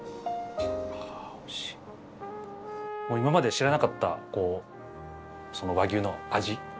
今まで知らなかったこう和牛の味。